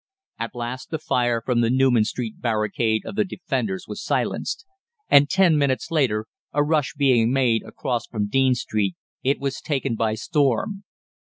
"At last the fire from the Newman Street barricade of the Defenders was silenced, and ten minutes later, a rush being made across from Dean Street, it was taken by storm.